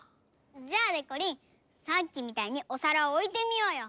じゃあでこりんさっきみたいにおさらをおいてみようよ。